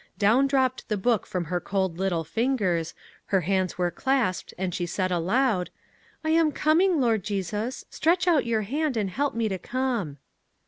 Down dropped the book from her cold little fingers, her hands were clasped and she said aloud :" I am coming, Lord Jesus ; stretch out your hand and help me to come."